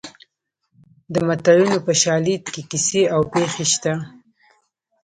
د متلونو په شالید کې کیسې او پېښې شته